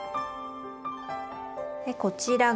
こちらが。